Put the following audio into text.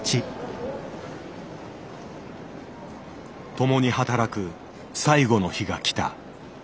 共に働く最後の日が来た。